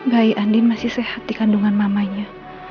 bayi andin masih sehat di kandungan mamanya